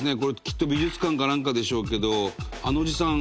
きっと美術館かなんかでしょうけどあのおじさん